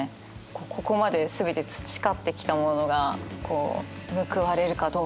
ここまで全て培ってきたものがこう報われるかどうかの瞬間みたいな。